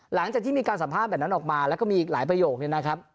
หลังจากที่มีการสัมภาษณ์แบบนั้นออกมาแล้วก็มีอีกหลายประโยคนี้นะครับ